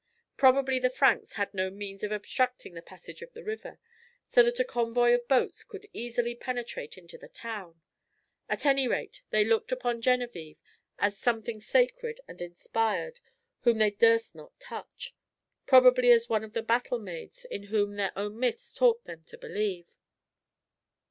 Probably the Franks had no means of obstructing the passage of the river, so that a convoy of boats could easily penetrate into the town: at any rate they looked upon Genevičve as something sacred and inspired whom they durst not touch; probably as one of the battle maids in whom their own myths taught them to believe.